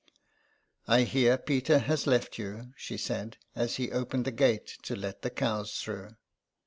" I hear Peter has left you," she said, as he opened the gate to let the cows through.